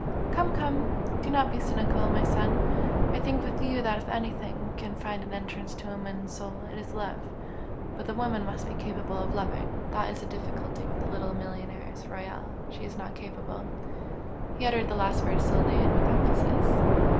"Come, come! Do not be cynical, my son! I think with you that if anything can find an entrance to a woman's soul it is love but the woman must be capable of loving. That is the difficulty with the little millionairess Royal. She is not capable!" He uttered the last words slowly and with emphasis.